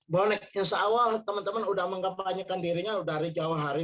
bonek yang seawal teman teman sudah menggembanyakan dirinya dari jawa hari